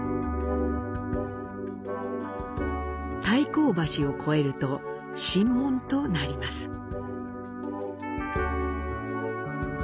太閤橋を越えると神門となります。